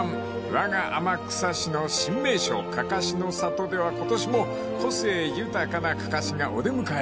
［わが天草市の新名所かかしの里では今年も個性豊かなかかしがお出迎え］